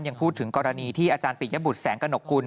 ยังพูดถึงกรณีที่อาจารย์ปิยบุตรแสงกระหนกกุล